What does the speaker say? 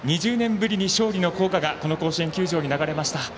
２０年ぶりに勝利の校歌がこの甲子園球場に流れました。